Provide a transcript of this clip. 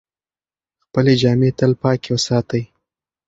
خپلې جامې تل پاکې ساتئ.